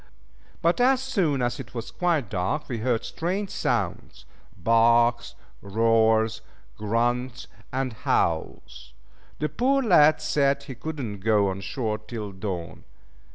But as soon as it was quite dark we heard strange sounds barks, roars, grunts, and howls. The poor lad said he could not go on shore till dawn.